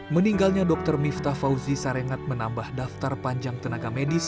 meninggalnya dr miftah fauzi sarengat menambah daftar panjang tenaga medis